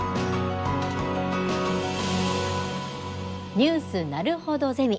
「ニュースなるほどゼミ」。